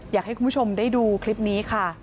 อยากให้คุณผู้ชมได้ดูคลิปนี้ค่ะ